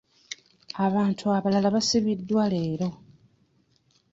Abantu abalala baasibidwa leero.